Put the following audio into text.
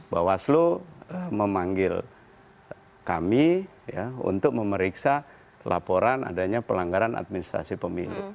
bawaslu memanggil kami untuk memeriksa laporan adanya pelanggaran administrasi pemilu